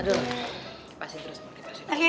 aduh kipasin terus mbak kipasin terus